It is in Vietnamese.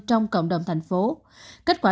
trong cộng đồng thành phố kết quả